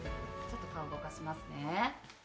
ちょっと顔動かしますね。